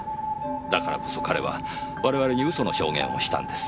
だからこそ彼は我々に嘘の証言をしたんです。